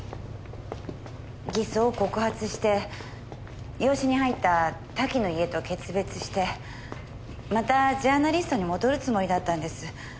偽装を告発して養子に入った瀧の家と決別してまたジャーナリストに戻るつもりだったんです。